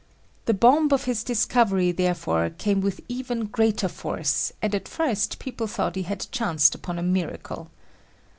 The bomb of his discovery therefore came with even greater force and at first people thought he had chanced upon a miracle.